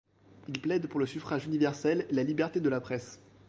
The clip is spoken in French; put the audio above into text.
Il plaide pour le suffrage universel et la liberté de la presse.